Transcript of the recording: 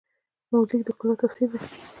موزیک د ښکلا تفسیر دی.